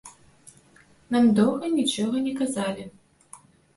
Нам доўга нічога не казалі.